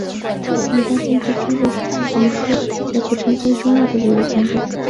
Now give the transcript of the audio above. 清代建筑郑氏十七房是澥浦镇最重要的旅游景点。